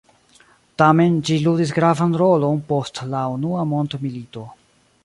Tamen, ĝi ludis gravan rolon post la Unua Mondmilito.